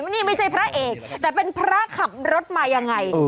นี่ไม่ใช่พระเอกแต่เป็นพระขับรถมายังไง